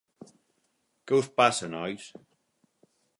Què us passa nois?